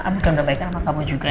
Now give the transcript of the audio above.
abi kan udah baik sama kamu juga